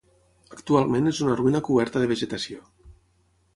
Actualment és una ruïna coberta de vegetació.